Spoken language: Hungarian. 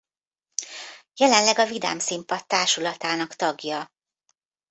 Jelenleg a Vidám Színpad társulatának tagja.